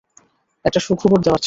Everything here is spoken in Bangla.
একটা সুখবর দেওয়ার ছিল।